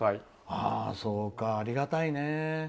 そうか、ありがたいね。